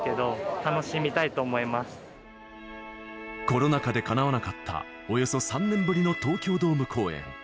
コロナ禍で、かなわなかったおよそ３年ぶりの東京ドーム公演。